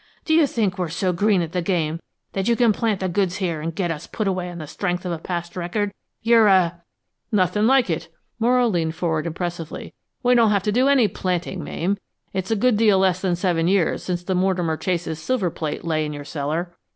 Do you think we're so green at the game that you can plant the goods here an' get us put away on the strength of a past record? You're a " "Nothing like it!" Morrow leaned forward impressively. "We don't have to do any planting, Mame. It's a good deal less than seven years since the Mortimer Chase's silver plate lay in your cellar."